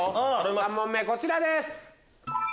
３問目こちらです。